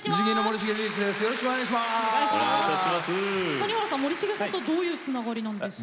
谷原さん、森重さんとどういうつながりなんですか？